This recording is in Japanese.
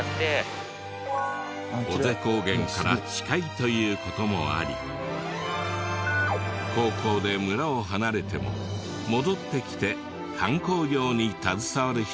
尾瀬高原から近いという事もあり高校で村を離れても戻ってきて観光業に携わる人が多いそうで。